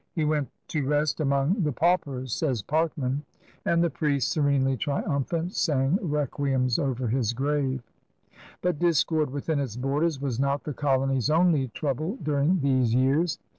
^^He went to rest among the paupers, says Parkman, "and the priests, serenely triiunphant, sang requiems over his grave. " But discord within its borders was not the colony*s only trouble during these years.